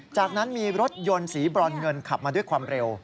จากนั้นมีรถยนต์สีบรอนเงินขับมาด้วยความเร็ว